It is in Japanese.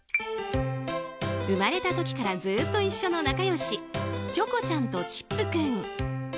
生まれた時からずっと一緒の仲良しチョコちゃんとチップ君。